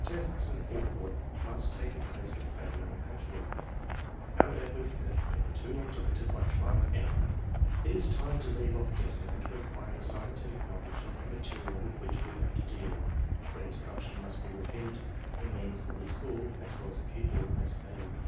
Tests and fore thought must take the place of failure and patchwork. Our efforts have been too long directed by "trial and error." It is time to leave off guessing and to acquire a scientific knowledge of the material with which we have to deal. When instruction must be repeated, it means that the school, as well as the pupil, has failed.